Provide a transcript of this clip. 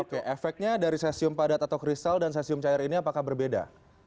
oke efeknya dari cesium padat atau kristal dan cesium cair ini apakah berbeda